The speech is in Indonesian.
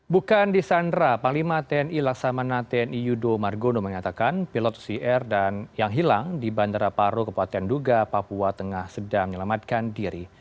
bukan di sandra panglima tni laksamanaten iyudo margono menyatakan pilot ucr dan yang hilang di bandara paro kepuatan duga papua tengah sedang menyelamatkan diri